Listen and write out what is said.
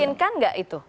memungkinkan gak itu